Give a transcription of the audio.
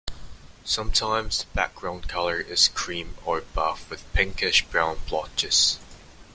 Sometimes the background colour is cream or buff with pinkish-brown blotches.